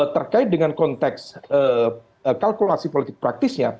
terkait dengan konteks kalkulasi politik praktisnya